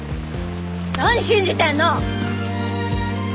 何信じてんの！